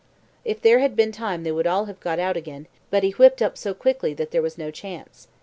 If there had been time they would all have got out again, but he whipped up so quickly that there was no chance.